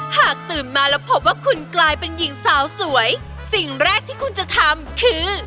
หากตื่นมาแล้วพบว่าคุณกลายเป็นหญิงสาวสวยสิ่งแรกที่คุณจะทำคือ